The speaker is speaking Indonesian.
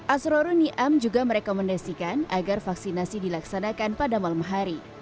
asrorun niam juga merekomendasikan agar vaksinasi dilaksanakan pada malam hari